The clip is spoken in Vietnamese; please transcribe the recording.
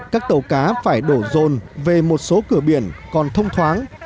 các tàu cá phải đổ rồn về một số cửa biển còn thông thoáng